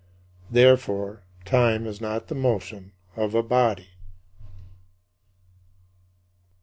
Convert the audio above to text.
Therefore, time is not the motion of a body.